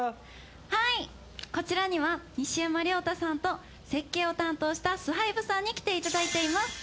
はいこちらには西山涼太さんと設計を担当したスハイブさんに来て頂いています。